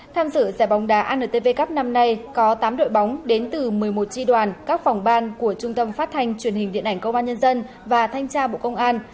tham dự giải bóng đá antv cup năm nay có tám đội bóng đến từ một mươi một tri đoàn các phòng ban của trung tâm phát thanh truyền hình điện ảnh công an nhân dân và thanh tra bộ công an